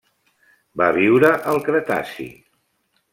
Va viure al Cretaci.